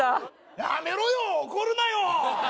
やめろよ怒るなよ